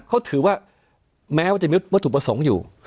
เขาถือว่าแม้ว่าจะมีวัตถุประสงค์อยู่